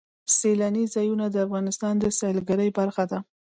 سیلانی ځایونه د افغانستان د سیلګرۍ برخه ده.